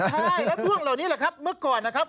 ใช่แล้วพวกเหล่านี้แหละครับเมื่อก่อนนะครับ